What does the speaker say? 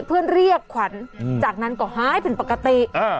เพื่อนเรียกขวัญอืมจากนั้นก็หายเป็นปกติอ่า